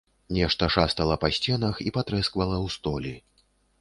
Нешта шастала па сценах і патрэсквала ў столі.